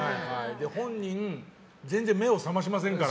本人、全然目を覚ましませんから。